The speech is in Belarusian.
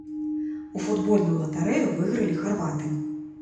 У футбольную латарэю выйгралі харваты.